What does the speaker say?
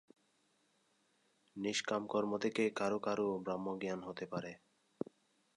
নিষ্কাম কর্ম থেকে কারও কারও ব্রহ্মজ্ঞান হতে পারে।